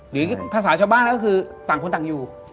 หรือภาษาชาวบ้านก็คือต่างคนต่างอยู่